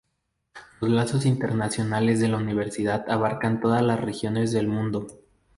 Los lazos internacionales de la universidad abarcan todas las regiones del mundo.